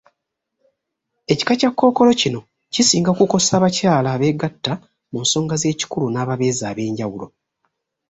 Ekika Kya kkookolo kino kisinga kukosa bakyala abeegatta mu nsonga z'ekikulu n'ababeezi ab'enjawulo.